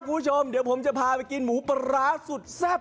คุณผู้ชมเดี๋ยวผมจะพาไปกินหมูปลาร้าสุดแซ่บ